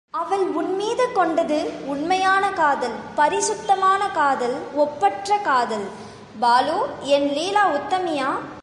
அவள் உன்மீது கொண்டது உண்மையான காதல், பரிசுத்தமான காதல், ஒப்பற்ற காதல்... பாலு என் லீலா உத்தமியா?